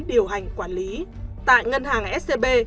điều hành quản lý tại ngân hàng scb